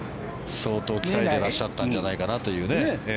相当鍛えていらっしゃったんじゃないかなっていうね。